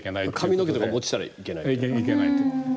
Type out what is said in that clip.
髪の毛とかも落ちたらいけないと。